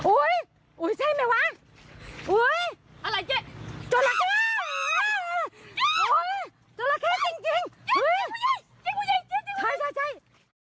อุ้ยอุ้ยใช่ไหมวะอุ้ยอะไรเจ๊จัดละเข้จัดละเข้จริงจริง